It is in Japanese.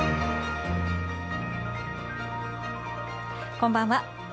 こんばんは。